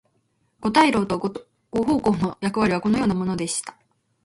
五大老と五奉行の役割はこのようなものでした。